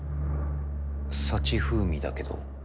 サチ風味だけど。